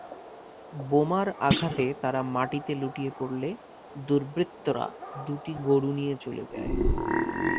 বোমার আঘাতে তাঁরা মাটিতে লুটিয়ে পড়লে দুর্বৃত্তরা দুটি গরু নিয়ে চলে যায়।